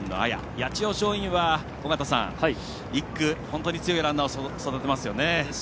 八千代松陰は、尾方さん１区、本当に強いランナーをそろえてますよね。